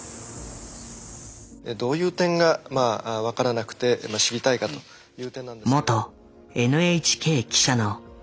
どういう点がまあ分からなくて知りたいかという点なんですけれど。